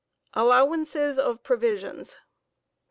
ALLOWANCES OP PROVISIONS.